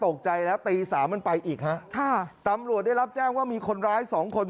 ตกใจแล้วตีสามมันไปอีกฮะค่ะตำรวจได้รับแจ้งว่ามีคนร้ายสองคน